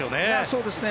そうですね。